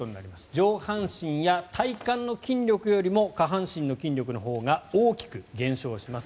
上半身や体幹の筋力よりも下半身の筋力のほうが大きく減少します。